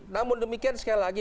namun demikian sekali lagi